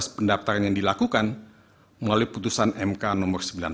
proses pendaftaran yang dilakukan melalui putusan mk no sembilan puluh